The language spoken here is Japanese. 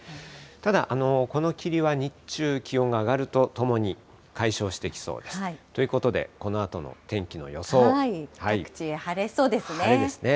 ただ、この霧は日中、気温が上がるとともに解消してきそうです。ということで、このあとの天気の各地晴れそうですね。